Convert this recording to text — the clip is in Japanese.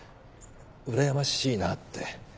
うらやましいなって。